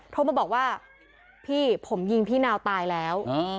โทรมาบอกว่าพี่ผมยิงพี่นาวตายแล้ว